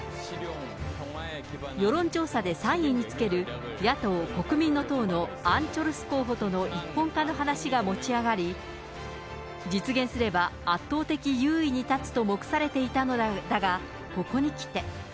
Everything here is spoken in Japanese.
世論調査で３位につける、野党・国民の党のアン・チョルス候補との一本化の話が持ち上がり、実現すれば圧倒的優位に立つと目されていたのだが、ここに来て。